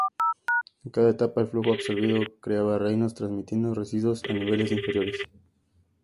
En cada etapa, el flujo absorbido creaba reinos, transmitiendo residuos a niveles inferiores.